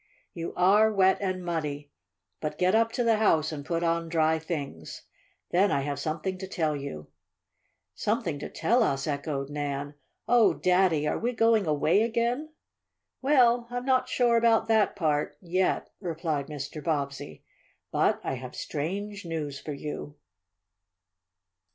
"You are wet and muddy. But get up to the house and put on dry things. Then I have something to tell you." "Something to tell us?" echoed Nan. "Oh, Daddy! are we going away again?" "Well, I'm not sure about that part yet," replied Mr. Bobbsey. "But I have strange news for you."